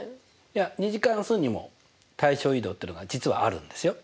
いや２次関数にも対称移動っていうのが実はあるんですよ。